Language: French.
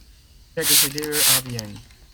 Il est décédé le à Vienne.